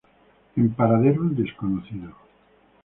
En paradero desconocido.